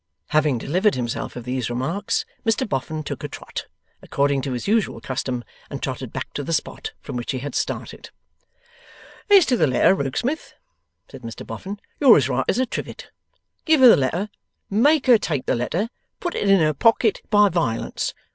Having delivered himself of these remarks, Mr Boffin took a trot, according to his usual custom, and trotted back to the spot from which he had started. 'As to the letter, Rokesmith,' said Mr Boffin, 'you're as right as a trivet. Give her the letter, make her take the letter, put it in her pocket by violence.